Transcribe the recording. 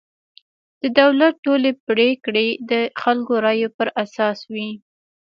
د دولت ټولې پرېکړې د خلکو رایو پر اساس وي.